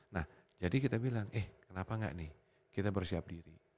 nah jadi kita bilang eh kenapa enggak nih kita bersiap diri